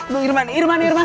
bang irman irman irman